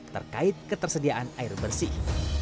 terkait ketersediaan air bersih